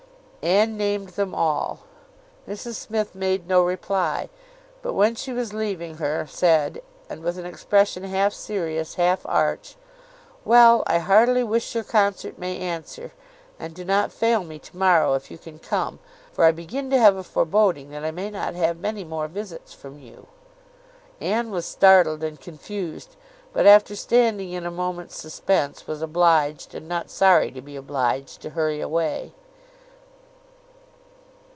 Anne named them all. Mrs Smith made no reply; but when she was leaving her said, and with an expression half serious, half arch, "Well, I heartily wish your concert may answer; and do not fail me to morrow if you can come; for I begin to have a foreboding that I may not have many more visits from you." Anne was startled and confused; but after standing in a moment's suspense, was obliged, and not sorry to be obliged, to hurry away.